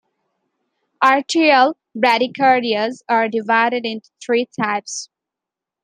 Atrial bradycardias are divided into three types.